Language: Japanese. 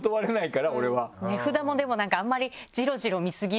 値札もでもあんまり。